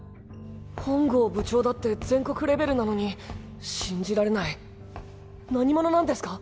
本郷部長だって全国レベルなのに信じられない何者なんですか？